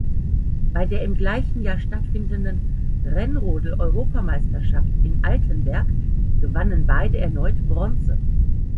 Bei der im gleichen Jahr stattfindenden Rennrodel-Europameisterschaft in Altenberg gewannen beide erneut Bronze.